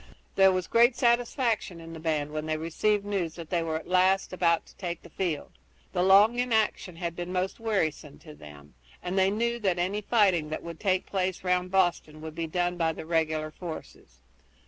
There was great satisfaction in the band when they received news that they were at last about to take the field. The long inaction had been most wearisome to them, and they knew that any fighting that would take place round Boston would be done by the regular troops.